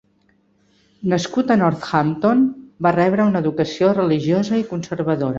Nascut a Northampton, va rebre una educació religiosa i conservadora.